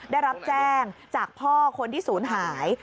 ได้รับแจ้งจากพ่อคนที่ศูนย์หาย